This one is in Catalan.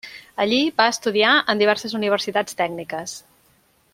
Allí va estudiar en diverses universitats tècniques.